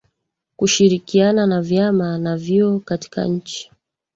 Kushirikiana na vyama na vyuo katika nchi